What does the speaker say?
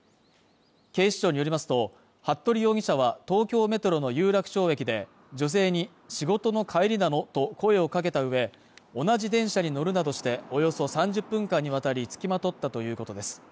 警視庁によりますと、服部容疑者は、東京メトロの有楽町駅で女性に仕事の帰りなのと声をかけた上、同じ電車に乗るなどして、およそ３０分間にわたりつきまとったということです。